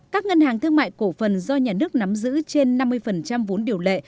các ngân hàng thương mại cổ phần do nhà nước nắm giữ trên năm mươi vốn điều lệ